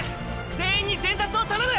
全員に伝達を頼む！